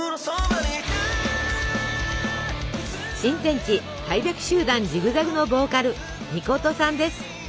真天地開闢集団ジグザグのヴォーカル命さんです。